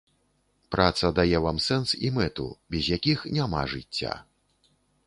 Праца дае вам сэнс і мэту, без якіх няма жыцця.